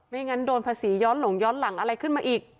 งั้นโดนภาษีย้อนหลงย้อนหลังอะไรขึ้นมาอีก